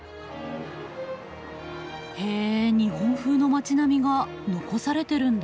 へえ日本風の町並みが残されてるんだ。